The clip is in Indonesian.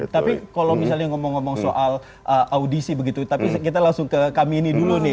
tapi kalau misalnya ngomong ngomong soal audisi begitu tapi kita langsung ke kami ini dulu nih